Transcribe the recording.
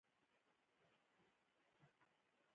افغان لوبغاړي تل د خپلو سیالیو لپاره ډیرې هڅې کوي.